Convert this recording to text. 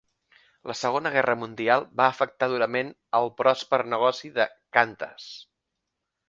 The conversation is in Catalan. La Segona Guerra Mundial va afectar durament el pròsper negoci de Qantas.